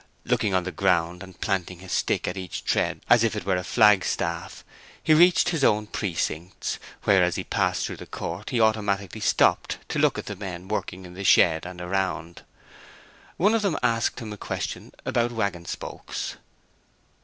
Looking on the ground, and planting his stick at each tread as if it were a flag staff, he reached his own precincts, where, as he passed through the court, he automatically stopped to look at the men working in the shed and around. One of them asked him a question about wagon spokes.